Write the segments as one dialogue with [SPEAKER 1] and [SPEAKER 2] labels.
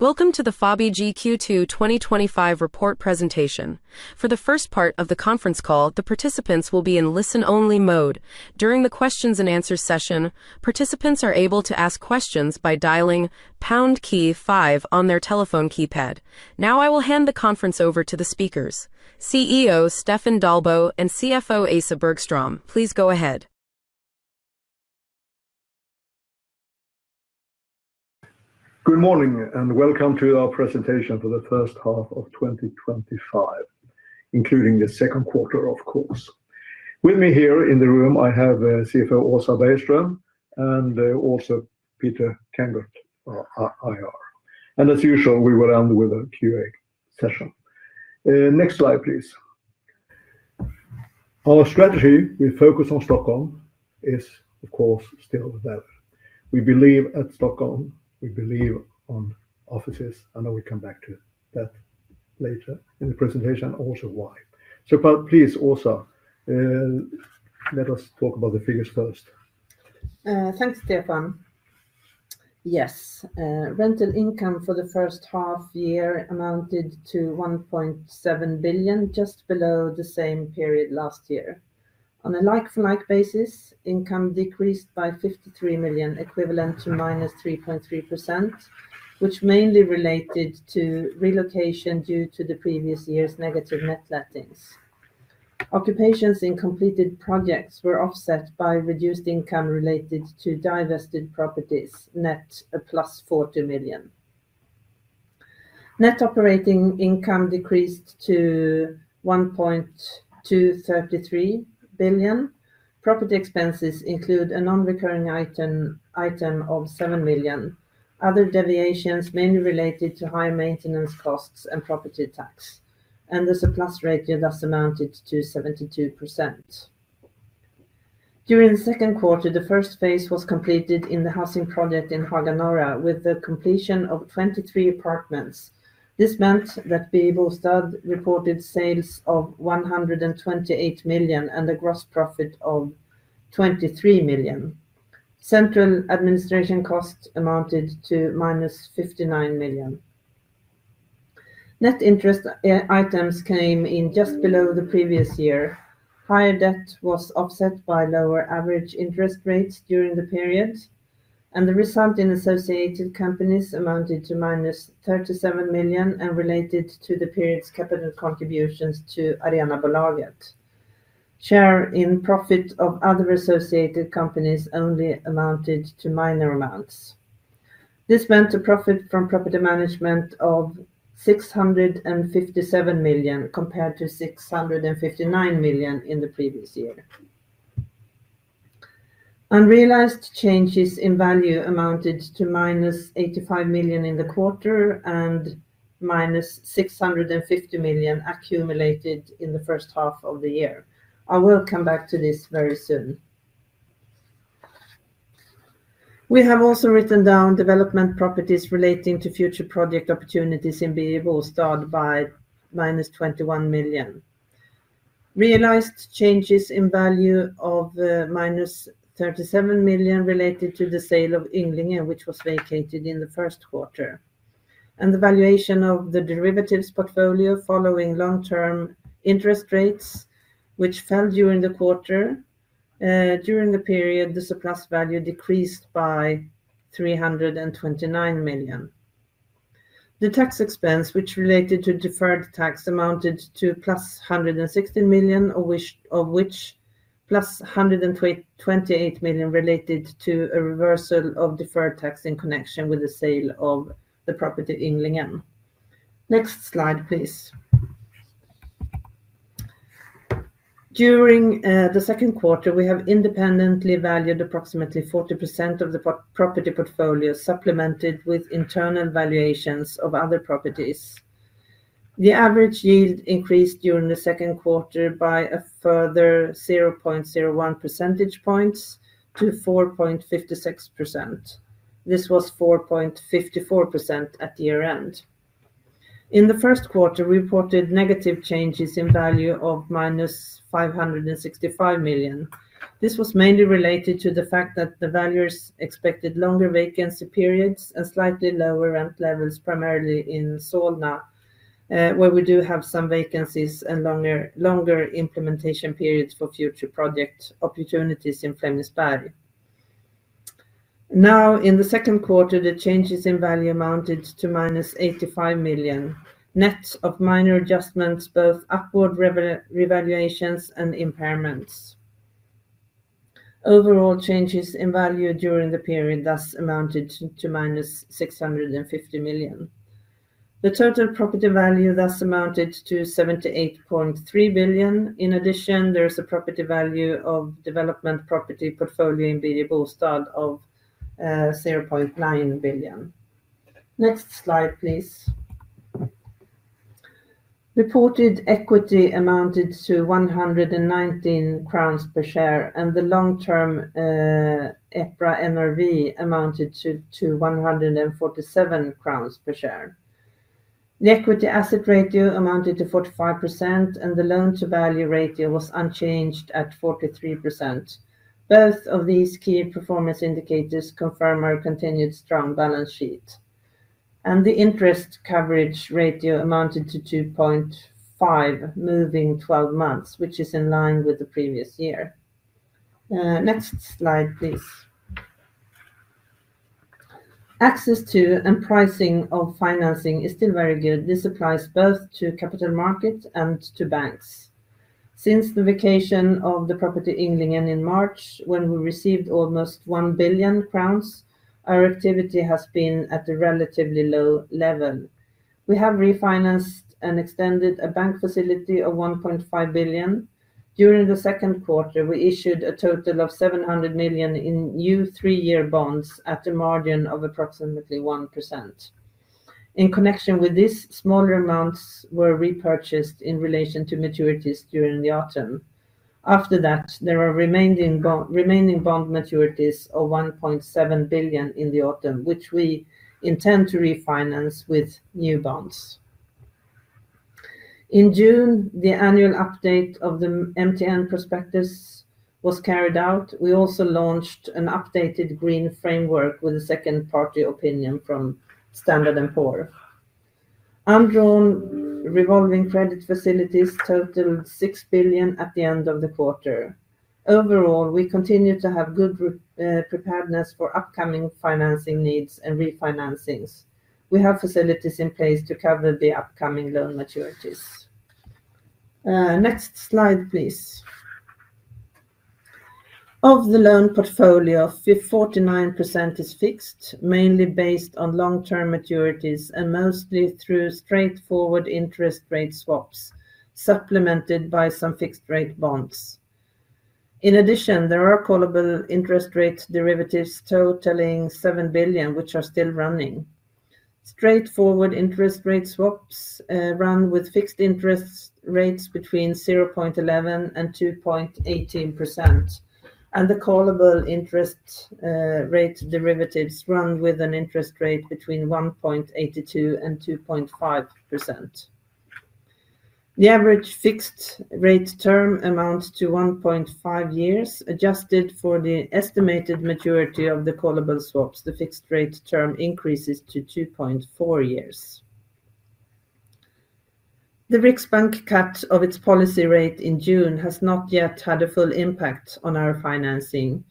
[SPEAKER 1] Welcome to the Fabege Q2 2025 report presentation. For the first part of the conference call, the participants will be in listen only mode. During the questions and answers session, participants are able to ask questions by dialing pound key five on their telephone keypad. Now I will hand the conference over to the speakers, CEO Stefan Dahlbo and CFO Åsa Bergström. Please go.
[SPEAKER 2] Good morning and welcome to our presentation for the first half of 2025, including the second quarter, of course. With me here in the room I have CFO Åsa Bergström and also Peter Kangert, IR. As usual, we will end with a Q&A session. Next slide, please. Our strategy with focus on Stockholm is of course still valid. We believe in Stockholm, we believe in offices. I will come back to that later in the presentation also. Why so? Please also let us talk about the figures first.
[SPEAKER 3] Thanks, Stefan. Yes. Rental income for the first half year amounted to 1.7 billion, just below the same period last year. On a like-for-like basis, income decreased by 53 million, equivalent to -3.3%, which mainly related to relocation. Due to the previous year's negative net lettings, occupations in completed projects were offset by reduced income related to divested properties. Net, a plus 40 million. Net operating income decreased to 1.233 billion. Property expenses include a non-recurring item of 7 million. Other deviations mainly related to high maintenance costs and property tax, and the surplus ratio thus amounted to 72%. During the second quarter, the first phase was completed in the housing project in Haga Norra with the completion of 23 apartments. This meant that Bostad reported sales of 128 million and a gross profit of 23 million. Central administration cost amounted to -59 million. Net interest items came in just below the previous year. Higher debt was offset by lower average interest rates during the period, and the result in associated companies amounted to -37 million and related to the period's capital contributions to Arenabolaget. Share in profit of other associated companies only amounted to minor amounts. This meant a profit from property management of 657 million compared to 600 million in the previous year. Unrealized changes in value amounted to -85 million in the quarter and -650 million accumulated in the first half of the year. I will come back to this very soon. We have also written down development properties relating to future project opportunities in Babel Start by -21 million. Realized changes in value of -37 million related to the sale of Englinder, which was vacated in the first quarter, and the valuation of the derivatives portfolio following long-term interest rates, which fell during the quarter. During the period, the surplus value decreased by 329 million. The tax expense, which related to deferred tax, amounted to 116 million, of which 128 million related to a reversal of deferred tax in connection with the sale of the property in Lingham. Next slide please. During the second quarter, we have independently valued approximately 40% of the property portfolio, supplemented with internal valuations of other properties. The average yield increased during the second quarter by a further 0.01 percentage points to 4.56%. This was 4.54% at year end. In the first quarter we reported negative changes in value of -565 million. This was mainly related to the fact that the valuers expected longer vacancy periods and slightly lower rent levels, primarily in Solna where we do have some vacancies and longer implementation periods for future project opportunities. In Flemingsberg, now in the second quarter, the changes in value amounted to -85 million net of minor adjustments, both upward revaluations and impairments. Overall changes in value during the period thus amounted to -650 million. The total property value thus amounted to 78.3 billion. In addition, there is a property value of development property portfolio in Haga Norra of 0.9 billion. Next slide please. Reported equity amounted to 119 crowns per share and the long term EPRA NRV amounted to 147 crowns per share. The equity asset ratio amounted to 45% and the loan-to-value ratio was unchanged at 43%. Both of these key performance indicators confirm our continued strong balance sheet and the interest coverage ratio amounted to 2.5 moving 12 months which is in line with the previous year. Next slide please. Access to and pricing of financing is still very good. This applies both to capital market and to banks. Since the vacation of the property Englunda in March when we received almost 1 billion crowns, our activity has been at a relatively low level. We have refinanced and extended a bank facility of 1.5 billion. During the second quarter we issued a total of 700 million in new three-year bonds at a margin of approximately 1%. In connection with this, smaller amounts were repurchased in relation to maturities during the autumn. After that there are remaining bond maturities of 1.7 billion in the autumn which we intend to refinance with new bonds. In June, the annual update of the MTN prospectus was carried out. We also launched an updated Green Framework with a second-party opinion from S&P Global. Undrawn revolving credit facilities totaled 6 billion at the end of the quarter. Overall, we continue to have good preparedness for upcoming financing needs and refinancings. We have facilities in place to cover the upcoming loan maturities. Next slide please. Of the loan portfolio, 49% is fixed mainly based on long-term maturities and mostly through straightforward interest rate swaps supplemented by some fixed rate bonds. In addition, there are callable interest rate derivatives totaling 7 billion which are still running. Straightforward interest rate swaps run with fixed interest rates between 0.11% and 2.18%, and the callable interest rate derivatives run with an interest rate between 1.82% and 2.5%. The average fixed rate term amounts to 1.5 years. Adjusted for the estimated maturity of the callable swaps, the fixed rate term increases to 2.4 years. The Riksbank cut of its policy rate in June has not yet had a full impact on our financing.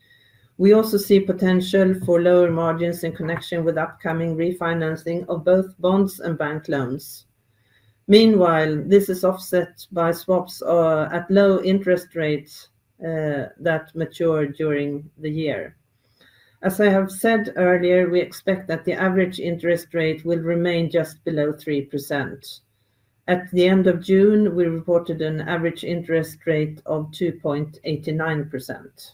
[SPEAKER 3] We also see potential for lower margins in connection with upcoming refinancing of both bonds and bank loans. Meanwhile, this is offset by swaps at low interest rates that matured during the year. As I have said earlier, we expect that the average interest rate will remain just below 3%. At the end of June, we reported an average interest rate of 2.89%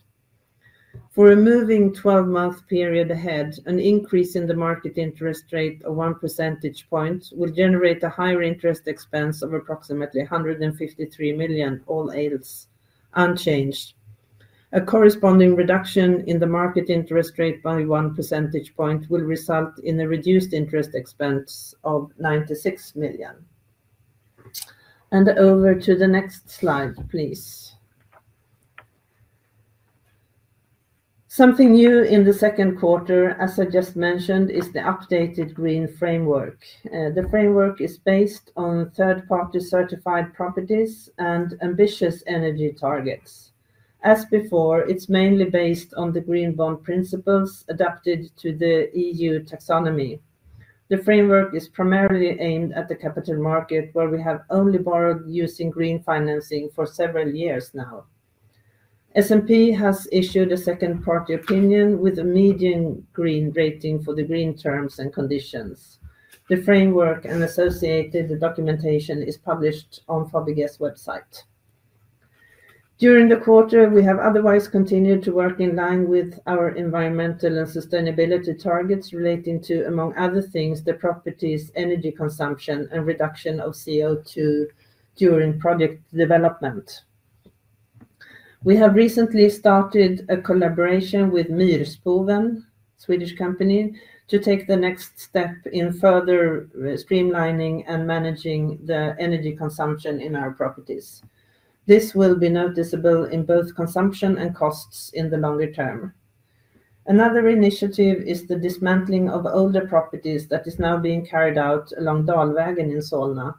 [SPEAKER 3] for a moving 12-month period ahead. An increase in the market interest rate of 1% point will generate a higher interest expense of approximately 153 million, all else unchanged. A corresponding reduction in the market interest rate by 1% point will result in a reduced interest expense of 96 million. Over to the next slide please. Something new in the second quarter, as I just mentioned, is the updated Green Framework. The framework is based on third-party certified properties and ambitious energy targets. As before, it's mainly based on the Green bond principles adapted to the EU taxonomy. The framework is primarily aimed at the capital market, where we have only borrowed using green financing for several years now. S&P Global has issued a second-party opinion with a median Green rating for the green terms and conditions. The framework and associated documentation is published on Fabege's website. During the quarter we have otherwise continued to work in line with our environmental and sustainability targets relating to, among other things, the properties, energy consumption, and reduction of CO2 during project development we have recently started a collaboration with Mestro, then a Swedish company, to take the next step in further streamlining and managing the energy consumption in our properties. This will be noticeable in both consumption and costs in the longer term. Another initiative is the dismantling of older properties that is now being carried out along Dalvägen in Solna.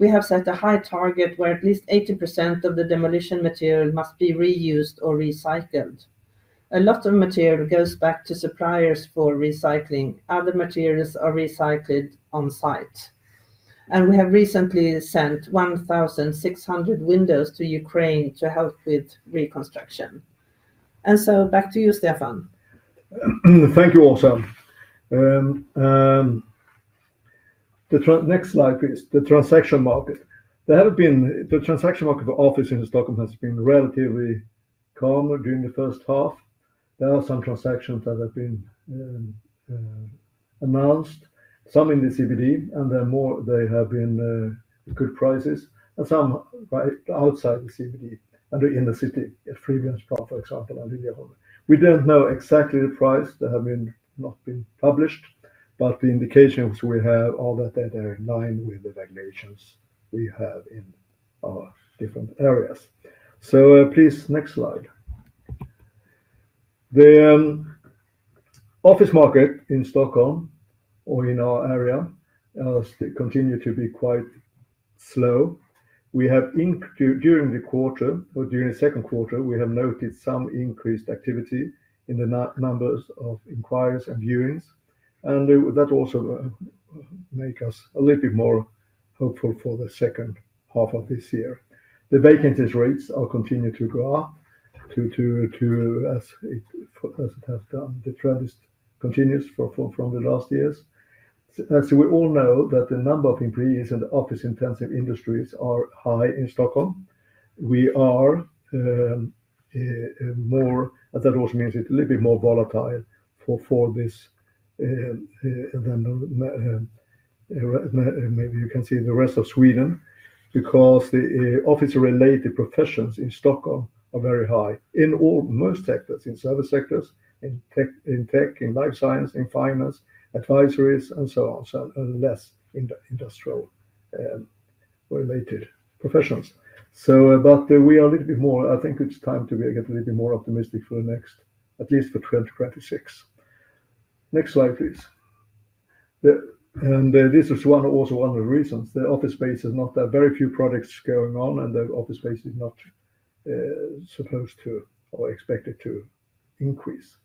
[SPEAKER 3] We have set a high target where at least 80% of the demolition material must be reused or recycled. A lot of material goes back to suppliers for recycling. Other materials are recycled on site. And we have recently sent 1,600 windows to Ukraine to help with reconstruction. And so back to you, Stefan.
[SPEAKER 2] Thank you. Also The next slide please. The transaction market for office in Stockholm has been relatively calmer during the first half. There are some transactions that have been announced, some in the CBD and then more they have been good prices and some right outside the CBD and in the city. For example, we don't know exactly the price that have not been published. The indications we have are that they are in line with the regulations we have in our different areas. Next slide please. The office market in Stockholm or in our area continues to be quite slow. During the second quarter, we have noted some increased activity in the numbers of inquiries and viewings. That also makes us a little bit more hopeful for the second half of this year. The vacancy rates continue to go up, as it has done. The trend continues from the last years. As we all know, the number of employees in office intensive industries are high in Stockholm. That also means it's a little bit more volatile for this than maybe you can see in the rest of Sweden, because the office related professions in Stockholm are very high in most sectors, in service sectors, in tech, in life science, in finance advisories and so on, less in the industrial related professions. We are a little bit more, I think it's time to get a little bit more optimistic for the next, at least for 2026. Next slide please. This is also one of the reasons the office space is not there. Very few projects going on and the office space is not supposed to or expected to increase.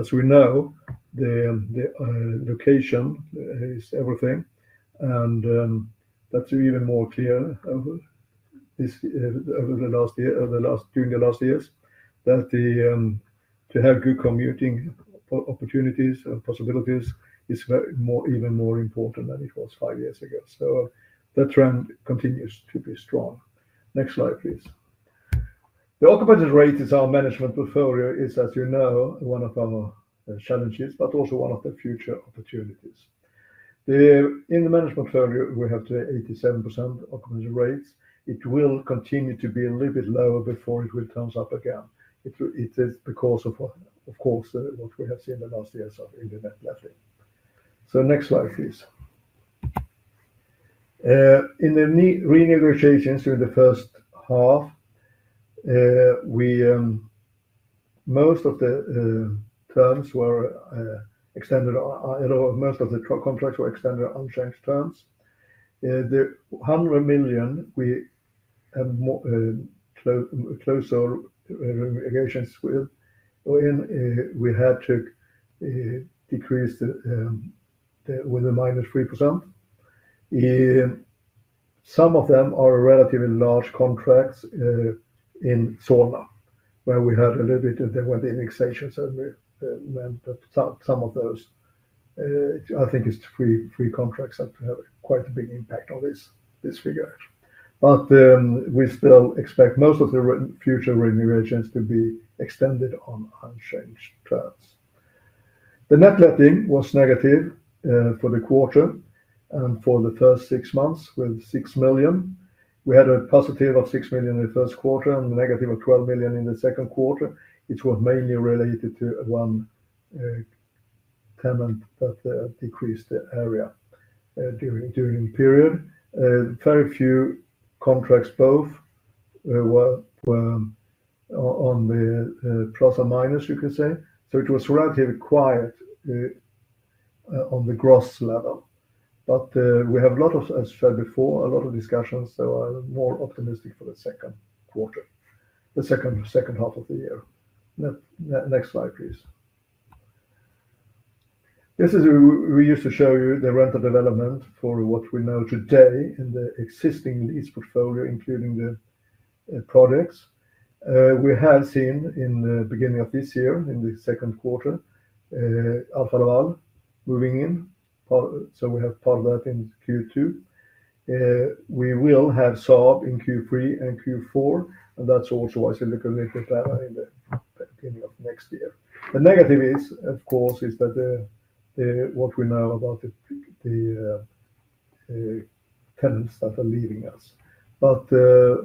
[SPEAKER 2] As we know, the location is everything. That's even more clear over the last year, over the last June, the last years that to have good commuting opportunities and possibilities is even more important than it was five years ago. That trend continues to be strong. Next slide please. The occupancy rate in our management portfolio is, as you know, one of our challenges, but also one of the future opportunities. In the management portfolio, we have 87% occupancy rates. It will continue to be a little bit lower before it will turn up again. It is because of what we have seen the last years of Internet leveling. So next slide please. In the renegotiations during the first half, most of the terms were extended. Most of the contracts were extended unchanged terms. The SEK 100 million we had closer remigation we had to decrease with the -3%. Some of them are relatively large contracts in Solna, where we had a little bit when the annexation meant that some of those. I think it's three contracts that have quite a big impact on this figure. We still expect most of the future renew agents to be extended on unchanged terms. The net letting was negative for the quarter and for the first six months with 6 million. We had a positive of 6 million in the first quarter and negative of 12 million in the second quarter. It was mainly related to one tenant that decreased the area during period. Very few contracts. Both were on the plus or minus, you can say. It was relatively quiet on the gross level. We have a lot of, as said before, a lot of discussions. I'm more optimistic for the second half of the year. Next slide, please. This is. We used to show you the rental development for what we know today in the existing lease portfolio, including the projects we have seen in the beginning of this year. In the second quarter, Alfa Laval moving in. We have part of that in Q2. We will have Saab in Q3 and Q4 and that's also a silicon lifted planner in the beginning of next year. The negative is of course that what we know about the tenants that are leaving us, but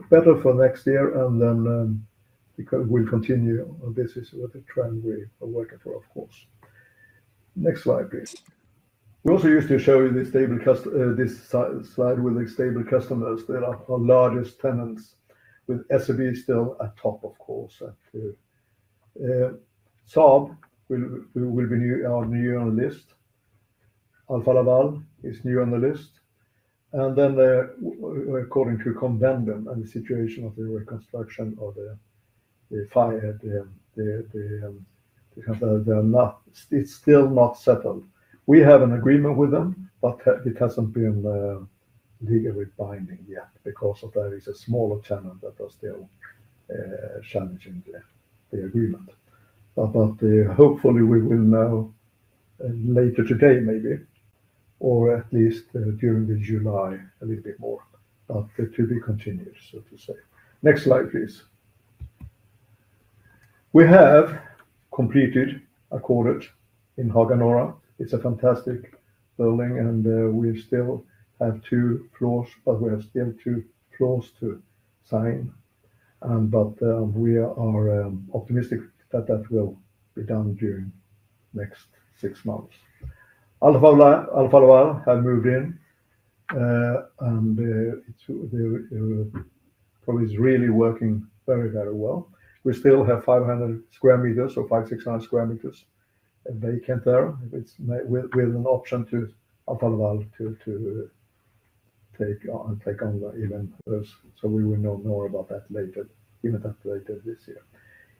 [SPEAKER 2] better for next year and then we'll continue. This is the trend we are working for, of course. Next slide, please. We also used to show you the stable customer this slide. With the stable customers there are largest tenants with Saab still at top. Of course. Saab will be our new list. Alfa Laval is new on the list. According to the compendium and the situation of the reconstruction or the fire damage, it's still not settled. We have an agreement with them, but it hasn't been legally binding yet because there is a smaller channel that is still challenging the agreement. Hopefully, we will know later today maybe or at least during July a little bit more. To be continued, so to speak. Next slide, please. We have completed a cottage in Haga Norra. It's a fantastic building and we still have two floors to sign. We are optimistic that that will be done during the next six months. Alfa Laval have moved in and probably is really working very, very well. We still have 500 sq m or 500-600 sq m vacant there with an option to Alfa Laval to take on. We will know more about that later this year.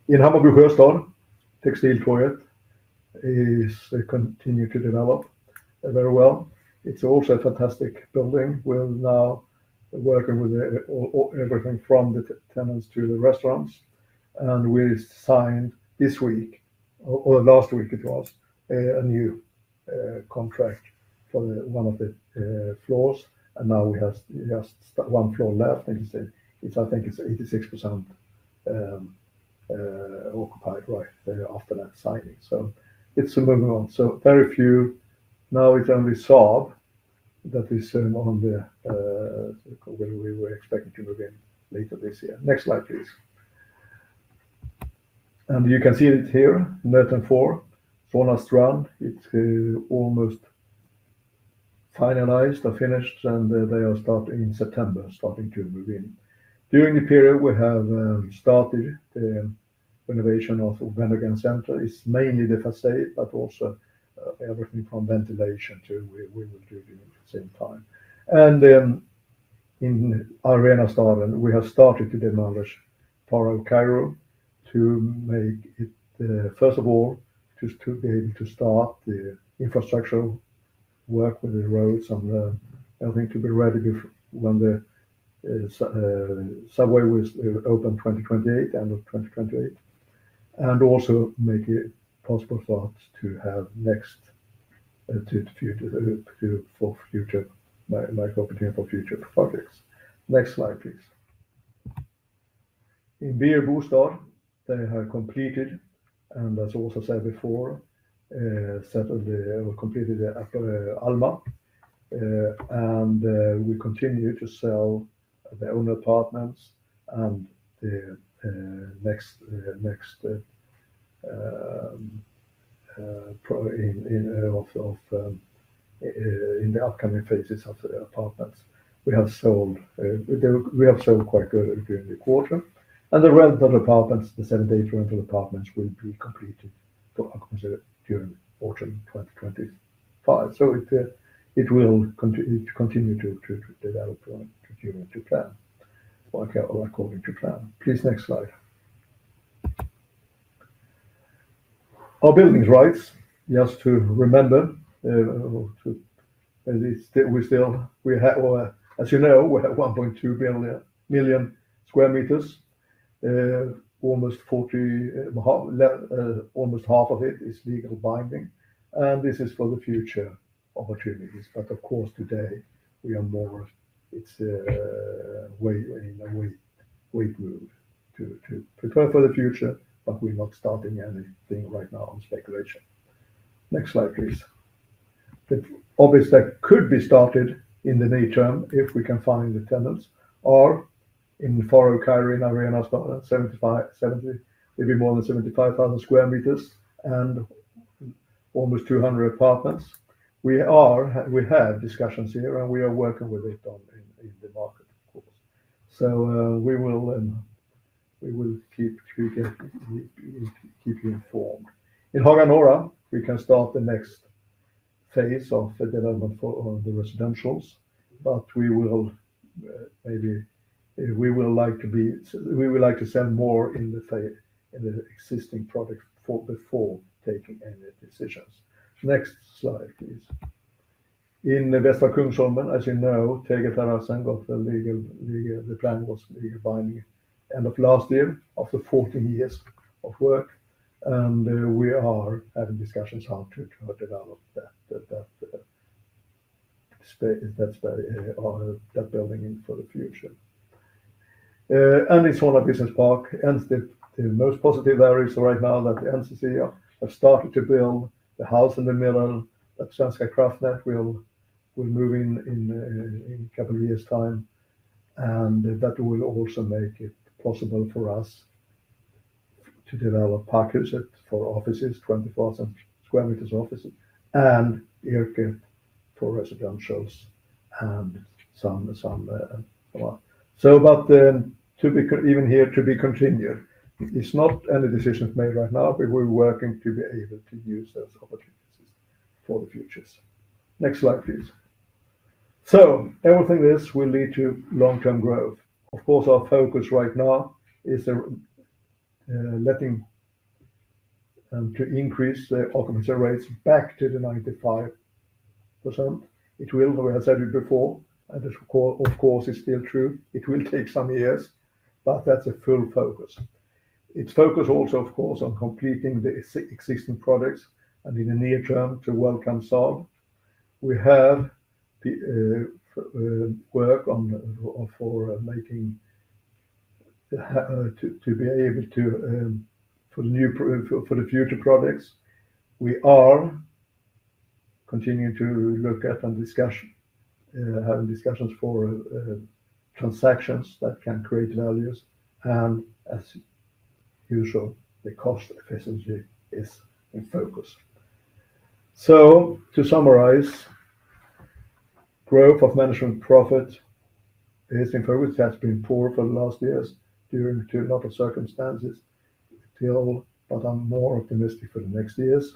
[SPEAKER 2] In Hammarby Sjöstad, Textile Foyer is continuing to develop very well. It's also a fantastic building. We're now working with everything from the tenants to the restaurants. We signed this week or last week a new contract for one of the floors. Now we have just one floor left. I think it's 86% occupied right after that. So. It's moving on, so very few now. It's only Saab that is on the, when we were expecting to move in later this year. Next slide please. You can see it here. Merton four for last run. It's almost finalized or finished, and they are starting in September, starting to move in. During the period, we have started renovation of Van der Garden center. It's mainly the Facade, but also everything from ventilation too, we will do at the same time. In Arenastaden, we have started to demolish part of Kairo to make it, first of all, just to be able to start the infrastructure work with the roads and everything to be ready when the subway is open, 2028, end of 2028. Also, make it possible for us to have next to the future, for future microbit, for future projects. Next slide please. In Bjurö Bostad, they have completed and as also said before, settled or completed Upper Alma, and we continue to sell the owner apartments. The next, next pro in the upcoming phases of the apartments, we have sold. We have sold quite good during the quarter, and the rental apartments, the seven day rental apartments, will be completed for agriculture during autumn 2025. It will continue to develop during, to plan, work according to plan please. Next slide. Our building rights, just to remember, we still, we have, as you know, we have 1.2 million square meters. Almost 40%, almost half of it is legally binding, and this is for the future opportunities. Of course, today we are more, it's a wait move to prepare for the future, but we're not starting anything right now on speculation. Next slide please. Obviously, could be started in the near term if we can find the tenants, or in Förra Kairo, maybe more than 75,000 sq m and almost 200 apartments. We are, we have discussions here, and we are working with it in the market, of course. We will keep you informed. In Haga Norra, we can start the next phase of development for the residentials, but we will, maybe we will like to be, we would like to sell more in the existing products before taking any decisions. Next slide please. In Västra Kungsholmen, as you know, Tegeludden, the plan was binding end of last year after 14 years of work. We are having discussions how to develop that building for the future, and it's one of business park, and the most positive there is right now that NCC have started to build the house in the middle that Svenska Kraftnät will move in a couple of years' time. That will also make it possible for us to develop package that for offices, 20,000 square meters offices and for residentials and some, but then to be even here to be continued. It's not any decisions made right now, but we're working to be able to use those opportunities for the futures. Next slide please. Everything this will lead to long term growth. Of course, our focus right now is letting to increase the occupancy rates back to the 95%. It will. We have said it before and of course is still true. It will take some years, but that's a full focus. It's focused also of course on completing the existing projects and in the near term to welcome Saab. We have work for making to be able to for the future projects. We are continuing to look at and having discussions for transactions that can create values and as usual the cost efficiency is in focus. To summarize, growth of management profit is in focus. Has been poor for the last years due to a lot of circumstances still. I'm more optimistic for the next years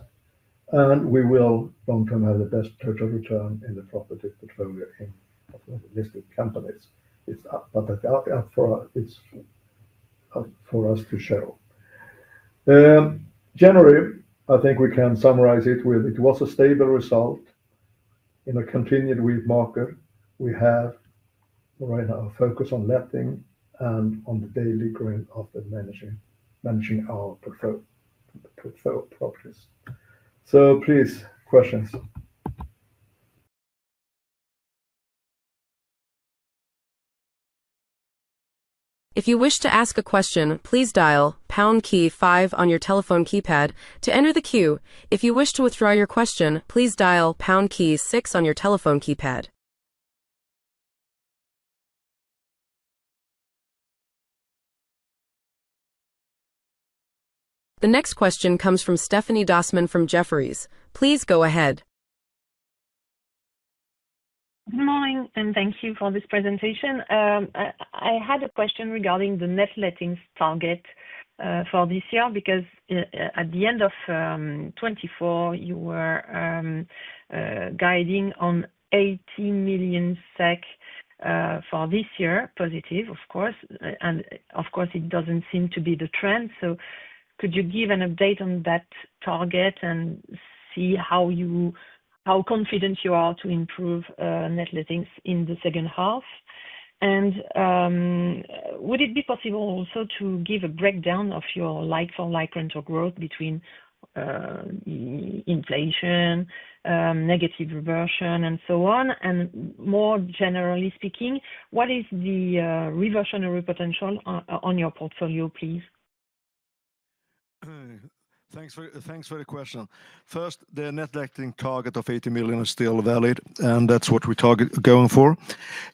[SPEAKER 2] and we will long term have the best total return in the property portfolio in listing companies. It's for us to show generally. I think we can summarize it with it was a stable result in a continued weak market. We have right now focus on letting and on the daily growing of managing our portfolio properties. Please, questions.
[SPEAKER 1] If you wish to ask a question, please dial key pound five on your telephone keypad to enter the queue. If you wish to withdraw your question, please dial key pound six on your telephone keypad. The next question comes from Stephanie Dossman from Jefferies. Please go ahead.
[SPEAKER 4] Good morning and thank you for this presentation. I had a question regarding the net lettings target for this year because at the end of 2024 you were guiding on 80 million SEK for this year, positive of course. It doesn't seem to be the trend. Could you give an update on that target and see how confident you are to improve net lettings in the second half? Would it be possible also to give a breakdown of your like-for-like rental growth between inflation, negative reversion, and so on? More generally speaking, what is the reversionary potential on your portfolio, please?
[SPEAKER 2] Thanks for the question. First, the net letting target of 80 million is still valid and that's what we target going for.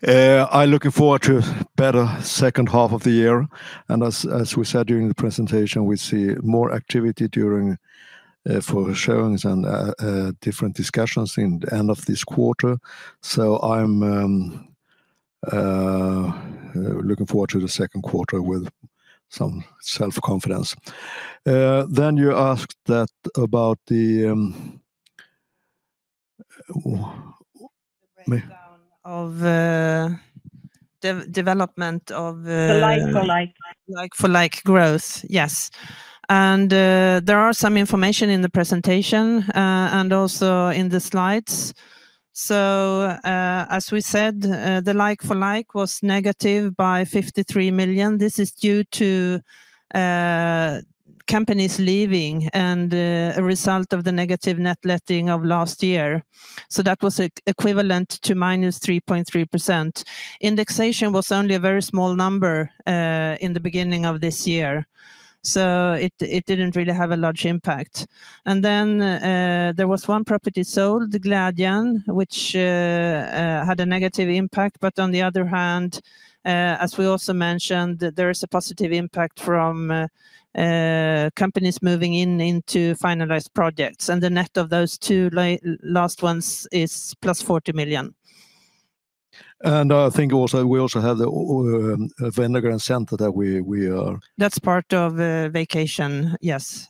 [SPEAKER 2] I'm looking forward to a better second half of the year, and as we said during the presentation, we see more activity for showings and different discussions at the end of this quarter. I'm looking forward to the second quarter with some self-confidence. You asked about the.
[SPEAKER 4] Breakdown. Of. Development of like-for-like growth. Yes, and there is some information in the presentation and also in the slides. As we said, the like-for-like was negative by 53 million. This is due to companies leaving and a result of the negative net letting of last year. That was equivalent to -3.3%. Indexation was only a very small number in the beginning of this year. It didn't really have a large impact. There was one property sold, Gladian, which had a negative impact. On the other hand, as we. Also, mentioned there is a positive impact. From companies moving in into finalized projects, and the net of those two last ones is plus 40 million.
[SPEAKER 2] I think we also have the Van de Grand Center that we are.
[SPEAKER 3] That's part of vacation. Yes.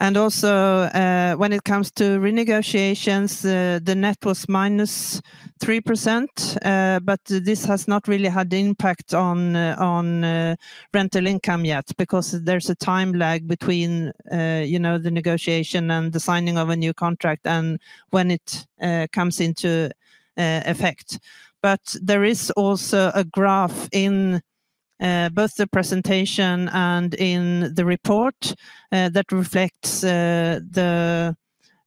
[SPEAKER 3] Yeah. Also, when it comes to renegotiations, the net was -3%. This has not really had the impact on rental income yet because there's a time lag between the negotiation and the signing of a new contract and when it comes into effect. There is also a graph in both the presentation and in the report that reflects the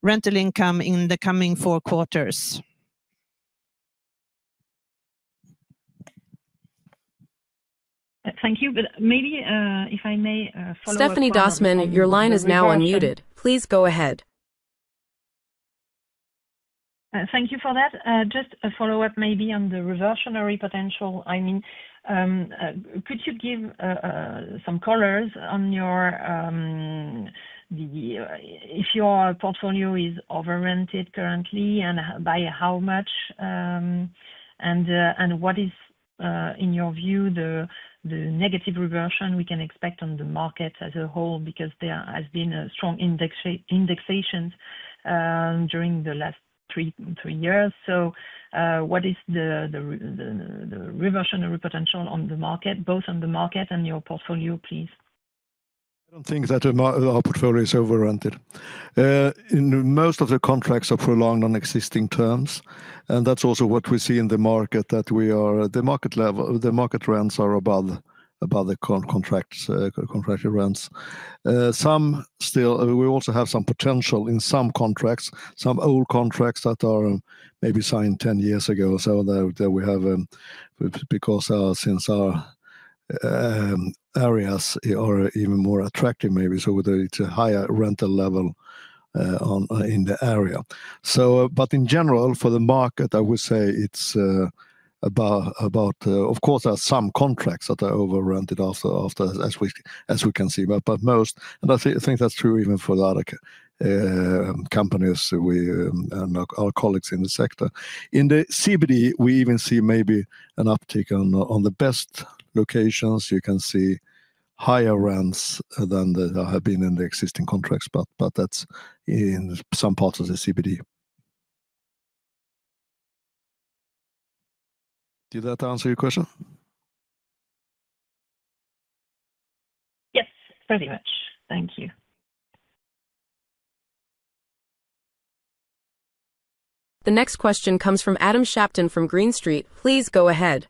[SPEAKER 3] rental income in the coming four quarters.
[SPEAKER 4] Thank you. If I may
[SPEAKER 1] Stephanie Dossman. Your line is now unmuted. Please go ahead.
[SPEAKER 4] Thank you for that. Just a follow-up maybe on the reversionary potential. I mean, could you give some colors on if your portfolio is over-rented currently and by how much, and what is, in your view, the negative reversion we can expect on the market as a whole? There has been a strong indexation during the last three years. What is the reversionary potential on the market, both on the market and your portfolio, please?
[SPEAKER 2] I don't think that our portfolio is over rented. Most of the contracts are prolonged on existing terms. That's also what we see in the market, that we are at the market level. The market rents are above the contracted rents. Still, we also have some potential in some contracts, some old contracts that are maybe signed 10 years ago. Since our areas are even more attractive, maybe with a higher rental level in the area. In general for the market, I would say it's about. Of course, there are some contracts that are over rented as we can see. Most, and I think that's true even for the other companies and our colleagues in the sector. In the CBD we even see maybe an uptick on the best locations. You can see higher rents than have been in the existing contracts, but that's in some parts of the CBD. Did that answer your question?
[SPEAKER 4] Yes, pretty much. Thank you.
[SPEAKER 1] The next question comes from Adam Shapton from Green Street. Please go ahead.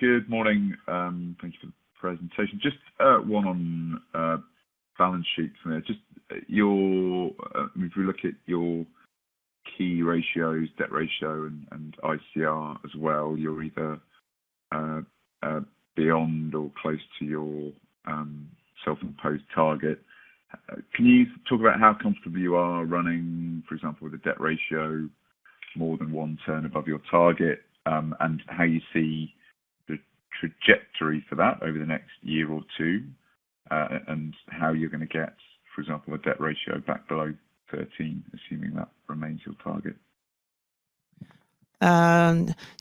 [SPEAKER 5] Good morning. Thank you for the presentation. Just one on balance sheet. If you look at your key ratios, debt ratio and ICR as well, you're either beyond or close to your self-imposed target. Can you talk about how comfortable you are running, for example, with the debt ratio more than one turn above your target and how you see the trajectory for that over the next year or two and how you're going to get, for example, a debt ratio back below 13%, assuming that remains your target.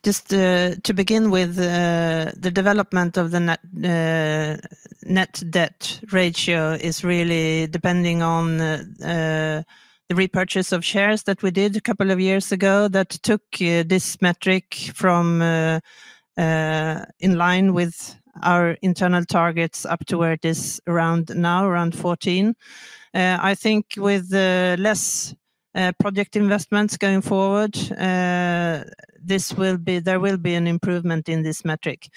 [SPEAKER 3] Just to begin with, the development of the net debt ratio is really depending on the repurchase of shares that we did a couple of years ago. That took this metric from in line with our internal targets up to where it is around now, around 14. I think with less project investments going forward, there will be an improvement in this metric.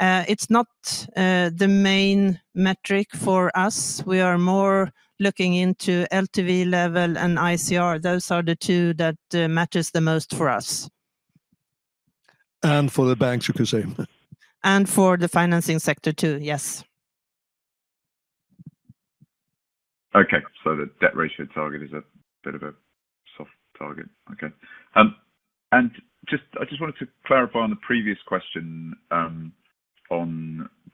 [SPEAKER 3] It's not the main metric for us. We are more looking into LTV level and ICR. Those are the two that matches the most for us.
[SPEAKER 2] And for the banks, you could say.
[SPEAKER 3] And for the financing sector too. Yes.
[SPEAKER 5] Okay. The debt ratio target is a bit of a soft target. I just wanted to clarify on the previous question on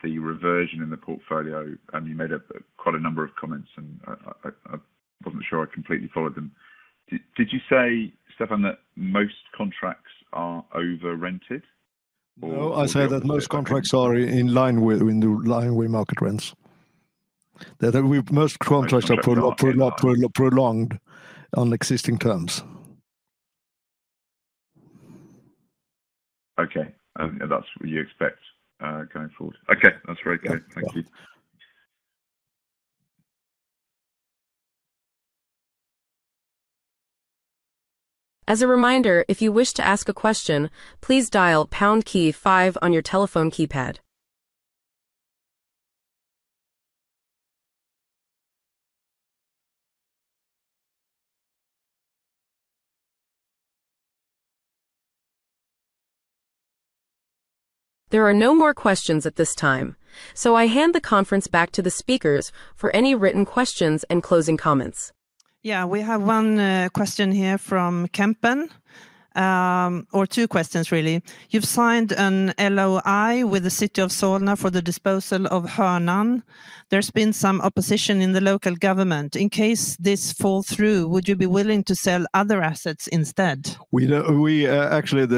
[SPEAKER 5] the reversion in the portfolio. You made quite a number of comments and I wasn't sure I completely followed them. Did you say, Stefan, that most contracts are over rented?
[SPEAKER 2] No, I say that most contracts are in line with market rents. Most contracts are prolonged on existing terms.
[SPEAKER 5] Okay, that's what you expect going forward. Okay, that's very good. Thank you.
[SPEAKER 1] As a reminder, if you wish to ask a question, please dial key pound key on your telephone keypad. There are no more questions at this time. So I hand the conference back to the speakers for any written questions and closing comments. Yeah, we have one question here from Kempen or two questions really. You've signed an LOI with the city of Solna for the disposal of Haga Norra. There's been some opposition in the local government. In case this falls through, would you be willing to sell other assets instead?
[SPEAKER 2] Actually,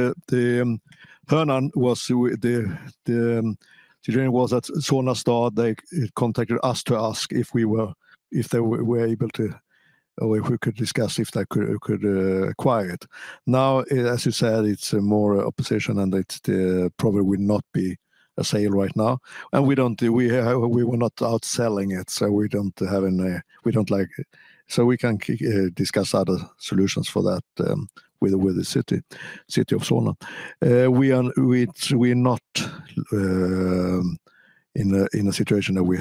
[SPEAKER 2] it was at Sauna Store. They contacted us to ask if we were. If they were able to. We could discuss if they could acquire it. Now as you said it's more opposition and it probably will not be a sale right now. We were not outselling it so we don't have any. We don't like it. We can discuss other solutions for that with the City of Stockholm. We are. We. We're not in a situation that we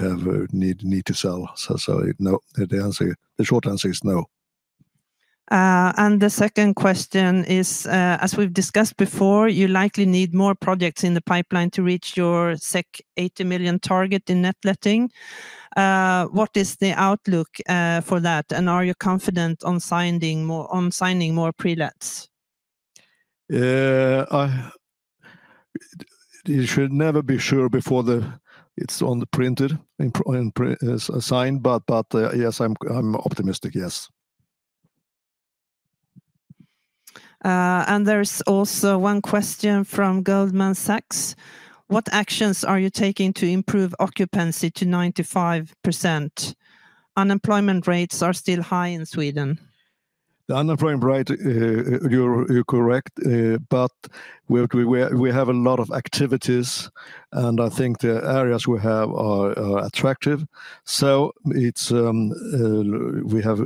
[SPEAKER 2] need to sell. No, the short answer is no. The second question is as we've discussed before, you likely need more projects in the pipeline to secure net letting. What is the outlook for that? Are you confident on signing more pre-lets? You should never be sure before it's on the printed sign, but yes, I'm optimistic. Yes. There is also one question from Goldman Sachs. What actions are you taking to improve occupancy to 95%? Unemployment rates are still high in Sweden. The unemployment rate, you're correct. We have a lot of activities, and I think the areas we have are attractive. We have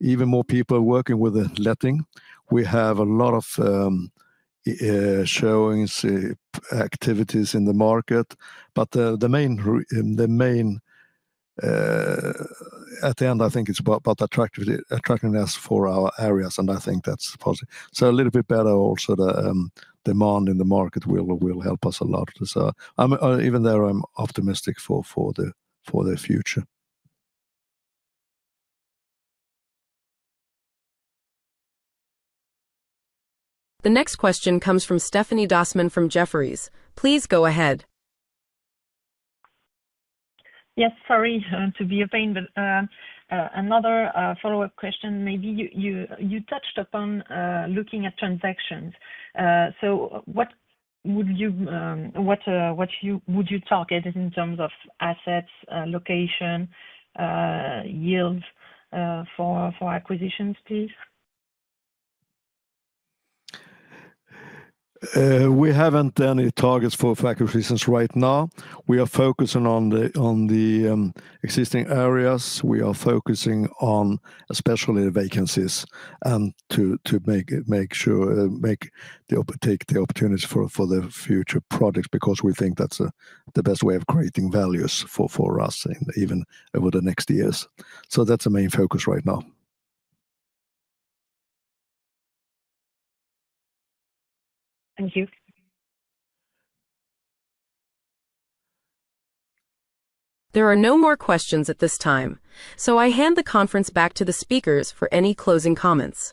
[SPEAKER 2] even more people working with the letting. We have a lot of showings, activities in the market. The main thing at the end, I think, is about attractiveness for our areas, and I think that's positive. A little bit better. The demand in the market will help us a lot, even though I'm optimistic for the future.
[SPEAKER 1] The next question comes from Stephanie Dossman from Jefferies. Please go ahead.
[SPEAKER 4] Yes, sorry to be a pain, but another follow-up question. Maybe you touched upon looking at transactions. What would you target in terms of assets, location, yield for acquisitions, please.
[SPEAKER 2] We haven't any targets for faculties right now. We are focusing on the existing areas, especially the vacancies, and to take the opportunities for the future projects because we think that's the best way of creating values for us even over the next years. That's the main focus right now.
[SPEAKER 4] Thank you.
[SPEAKER 1] There are no more questions at this time. I hand the conference back to the speakers for any closing comments.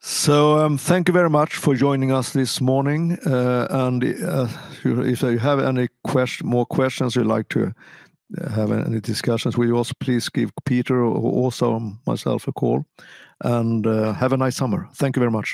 [SPEAKER 2] So thank you very much for joining us this morning. If you have any questions or would like to have any discussions with us, please give Peter or myself a call. And have a nice summer. Thank you very much.